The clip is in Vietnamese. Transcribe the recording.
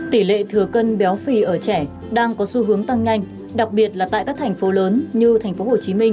tỷ lệ thừa cân béo phì ở trẻ đang có xu hướng tăng nhanh đặc biệt là tại các thành phố lớn như thành phố hồ chí minh